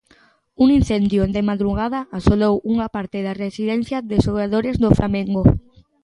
Un incendio, de madrugada, asolou unha parte da residencia de xogadores do Flamengo.